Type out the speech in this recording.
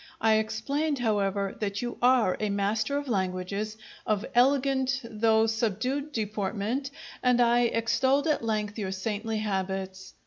I explained, however, that you are a master of languages, of elegant though subdued deportment, and I extolled at length your saintly habits.